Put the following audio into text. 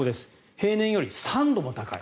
平年より３度も高い。